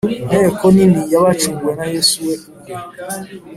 Inteko nini y’ abacunguwe na Yesu ubwe!